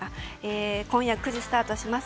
今夜９時スタートします